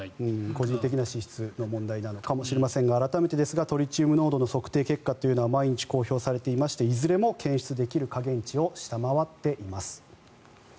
個人的な資質の問題なのかもしれませんが改めてですがトリチウム濃度の測定結果というのは毎日、公表されていましていずれも検知できる下限値を下回っています。